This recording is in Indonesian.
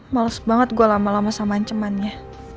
males banget gua lama lama sama ancemannya